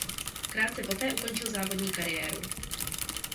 Krátce poté ukončil závodní kariéru.